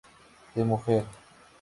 De Mujer.